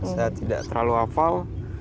saya tidak terlalu hafal